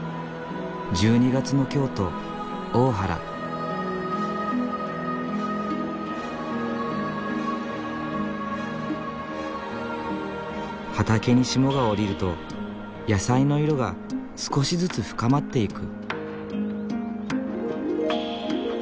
１２月の畑に霜が降りると野菜の色が少しずつ深まっていく。